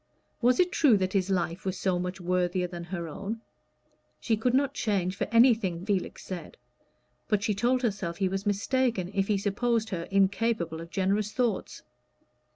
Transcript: Was it true that his life was so much worthier than her own? She could not change for anything Felix said, but she told herself he was mistaken if he supposed her incapable of generous thoughts.